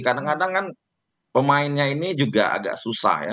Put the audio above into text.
kadang kadang kan pemainnya ini juga agak susah ya